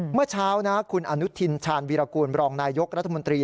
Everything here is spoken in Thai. เมื่อเช้านะคุณอนุทินชาญวีรกูลบรองนายยกรัฐมนตรี